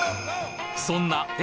そんな笑